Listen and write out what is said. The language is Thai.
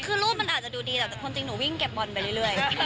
คือรูปมันอาจจะดูดีแต่คนจริงหนูวิ่งเก็บบอลไปเรื่อย